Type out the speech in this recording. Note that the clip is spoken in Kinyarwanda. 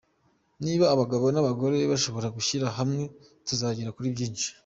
Niba abagabo n’abagore bashobora gushyira hamwe, tuzagera kuri byinshi.